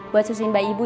buat susuin mbak ibu ya